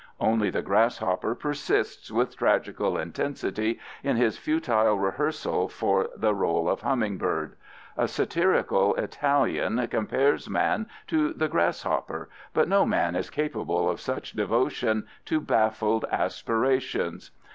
Only the grasshopper persists with tragical intensity in his futile rehearsal for the role of humming bird. A satirical Italian compares man to the grasshopper, but no man is capable of such devotion to baffled aspirations.